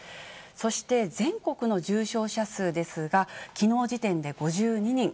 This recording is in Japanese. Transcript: そして全国の重症者数ですが、きのう時点で５２人。